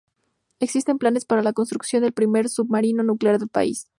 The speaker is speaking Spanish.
Existen planes para la construcción del primer submarino nuclear del país.